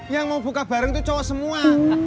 yang mau buka bareng itu cowok semua